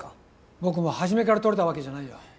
僕も初めから撮れたわけじゃないよ